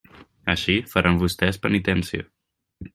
Així, faran vostès penitència.